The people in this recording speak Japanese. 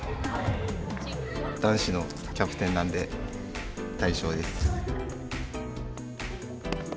男子のキャプテンなんで「大将」です。